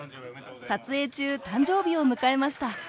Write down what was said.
撮影中誕生日を迎えました。